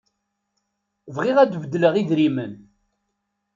Bɣiɣ ad d-beddleɣ idrimen.